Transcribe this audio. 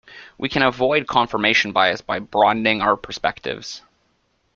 We can avoid confirmation bias by broadening our perspectives.